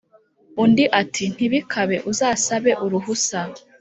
undi ati"ntibikabe uzasabe uruhusa